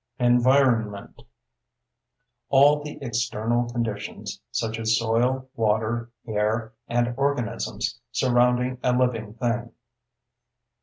ENVIRONMENT: All the external conditions, such as soil, water, air, and organisms, surrounding a living thing.